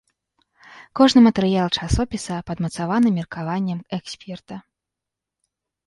Кожны матэрыял часопіса падмацаваны меркаваннем эксперта.